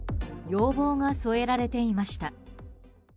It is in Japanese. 要望が添えられていました。